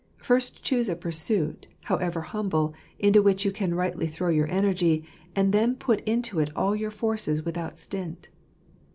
First choose a pursuit, however humble, into which you can rightly throw your energy, and then put into it all your forces without stint.